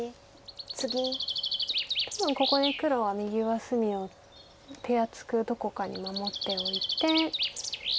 多分ここで黒は右上隅を手厚くどこかに守っておいて。